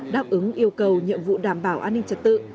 đáp ứng yêu cầu nhiệm vụ đảm bảo an ninh trật tự